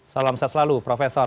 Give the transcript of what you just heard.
salam sejahtera selalu profesor